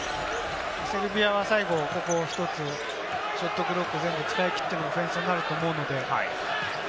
セルビアは最後、ここ一つ、ショットクロック全部使い切ってのオフェンスになると思うので。